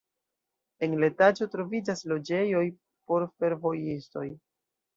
En la etaĝo troviĝas loĝejoj por fervojistoj.